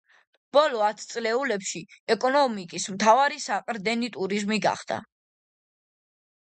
ბოლო ათწლეულებში, ეკონომიკის მთავარი საყრდენი ტურიზმი გახდა.